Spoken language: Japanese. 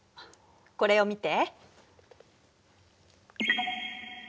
これを見て。